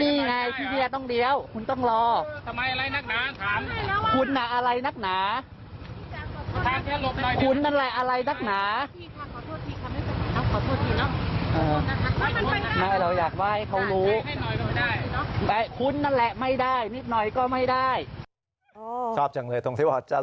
เอาจริงคลิปนี้มันก็เถียงกันมาเป็นนาทีนะ